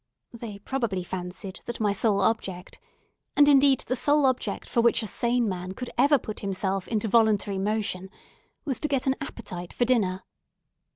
They probably fancied that my sole object—and, indeed, the sole object for which a sane man could ever put himself into voluntary motion—was to get an appetite for dinner.